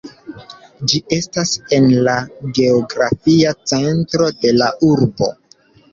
Ĝi estas en la geografia centro de la urbo.